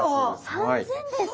３，０００ですか？